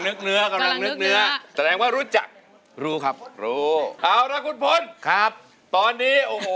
นึกเนื้อแคร์แสดงว่ารู้จักรู้ครับรู้เอาล่ะ